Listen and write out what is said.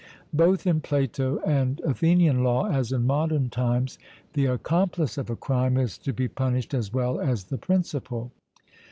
Both in Plato and Athenian law, as in modern times, the accomplice of a crime is to be punished as well as the principal...